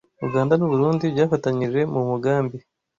Uganda n’u Burundi byafatanyije mu mugambi